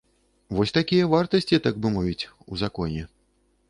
Вось такія вартасці, так бы мовіць, у законе.